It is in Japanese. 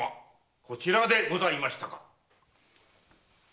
こちらでございましたか。